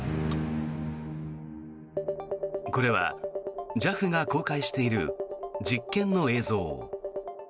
これはＪＡＦが公開している実験の映像。